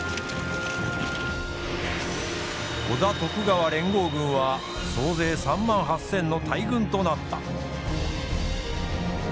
織田・徳川連合軍は総勢３万８，０００の大軍となった。